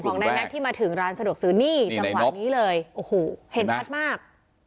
นายแม็กซที่มาถึงร้านสะดวกซื้อนี่จังหวะนี้เลยโอ้โหเห็นชัดมาก